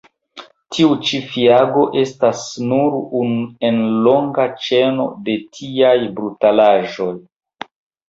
Tiu ĉi fiago estas nur unu en longa ĉeno de tiaj brutalaĵoj.